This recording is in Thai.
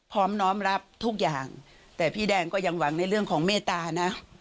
น้อมรับทุกอย่างแต่พี่แดงก็ยังหวังในเรื่องของเมตตานะ